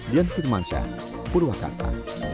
dian firmansyah purwakarta